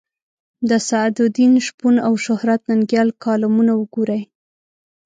د سعدالدین شپون او شهرت ننګیال کالمونه وګورئ.